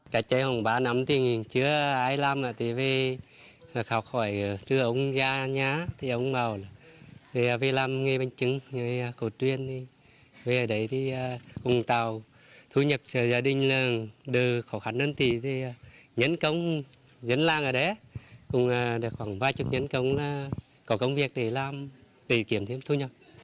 dân làng ở đây khoảng ba chục nhân công có công việc để làm để kiểm thêm thu nhập